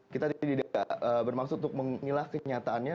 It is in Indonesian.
kita tidak bermaksud untuk memilah kenyataannya